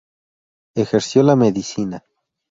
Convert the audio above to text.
Ejerció la Medicina.